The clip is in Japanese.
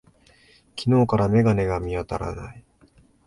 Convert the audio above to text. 昨日から眼鏡が見当たらない。